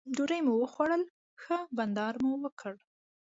ډوډۍ مو وخوړل ښه بانډار مو وکړ.